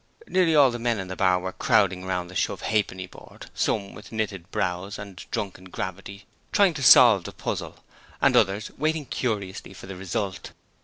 Nearly all the men in the bar were crowding round the shove ha'penny board, some with knitted brows and drunken gravity trying to solve the puzzle and others waiting curiously for the result.